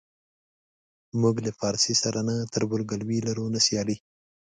موږ له پارسي سره نه تربورګلوي لرو نه سیالي.